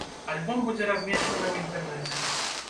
Альбом будзе размешчаны ў інтэрнэце.